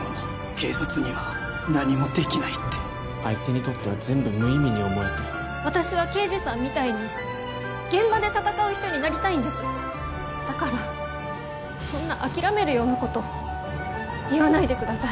警察には何もできないってあいつにとっては全部無意味に思えて私は刑事さんみたいに現場で戦う人になりたいんですだからそんな諦めるようなこと言わないでください